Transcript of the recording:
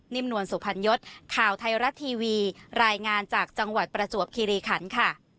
นวลสุพรรณยศข่าวไทยรัฐทีวีรายงานจากจังหวัดประจวบคิริขันค่ะ